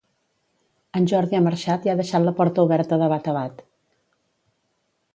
En Jordi ha marxat i ha deixat la porta oberta de bat a bat